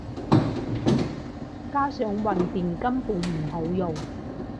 加上混電根本唔好用